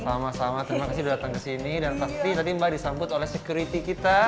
sama sama terima kasih sudah datang ke sini dan pasti tadi mbak disambut oleh security kita